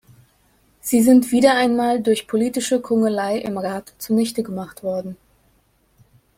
Sie sind wieder einmal durch politische Kungelei im Rat zunichte gemacht worden.